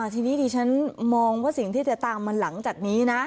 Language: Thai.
ที่นี้ถึงฉันมองว่าสีที่เธอตามมาหลังจากนี้นะ